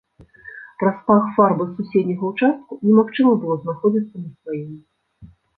Праз пах фарбы з суседняга ўчастку немагчыма было знаходзіцца на сваім.